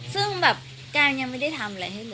ซึ่งแบบการยังไม่ได้ทำอะไรให้เลย